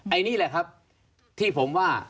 อันนี้แหละครับที่ผมว่า